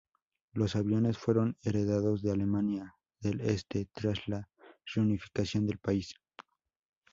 Los aviones fueron heredados de Alemania del Este tras la reunificación del país.